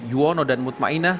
juwono dan mutmainah